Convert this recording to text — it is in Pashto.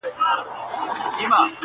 دلته يې ما په رالېږلي قاصد سيوري کول